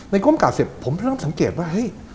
ในกรมกราบเสร็จผมก็ต้องสังเกตว่าเฮ้ย